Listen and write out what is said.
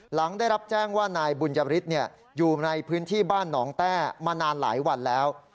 หลังได้รับแจ้งว่านายบุญยฤทธิ์อยู่ในพื้นที่บ้านหนองแต้มานานหลายวันแล้ว